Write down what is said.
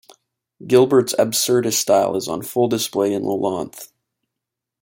Gilbert's absurdist style is on full display in "Iolanthe".